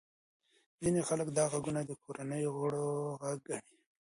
ځینې خلک دا غږونه د کورنۍ غړو غږ ګڼي.